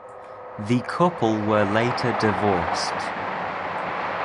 The couple were later divorced.